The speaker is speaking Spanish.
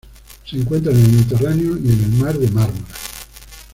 Se encuentra en el Mediterráneo y en el Mar de Mármara.